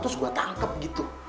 terus gue tangkep gitu